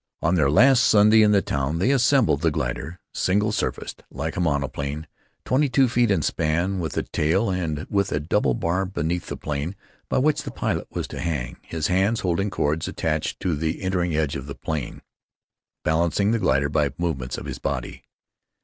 On their last Sunday in the town they assembled the glider, single surfaced, like a monoplane, twenty two feet in span, with a tail, and with a double bar beneath the plane, by which the pilot was to hang, his hands holding cords attached to the entering edge of the plane, balancing the glider by movements of his body.